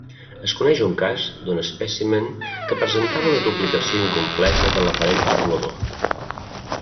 Es coneix un cas d'un espècimen que presentava una duplicació incompleta de l'aparell copulador.